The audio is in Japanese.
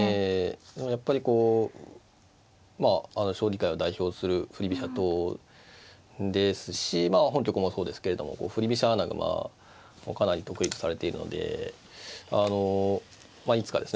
でもやっぱりこうまあ将棋界を代表する振り飛車党ですしまあ本局もそうですけれども振り飛車穴熊をかなり得意とされているのでいつかですね